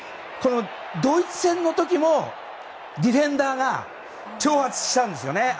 ドイツ戦の時もディフェンダーが挑発したんですよね。